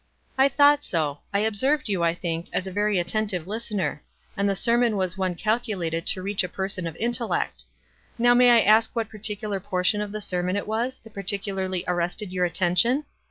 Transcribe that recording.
"I thought so. I observed you, I think, as a very attentive listener ; and the sermon was one calculated to reach a person of intellect. Now may I ask what particular portion of the sermon it was that particularly arrested your at tention?